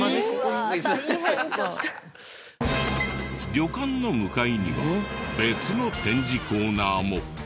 旅館の向かいには別の展示コーナーも。